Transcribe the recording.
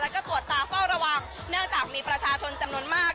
แล้วก็ตรวจตาเฝ้าระวังเนื่องจากมีประชาชนจำนวนมาก